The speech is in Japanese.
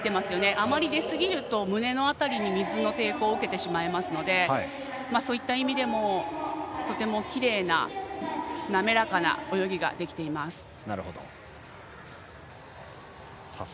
あまり出すぎると胸の辺りに水の抵抗を受けてしまうのでそういった意味でもとてもきれいな滑らかな泳ぎができています。